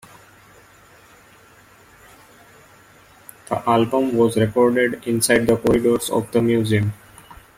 The album was recorded inside the corridors of the museum.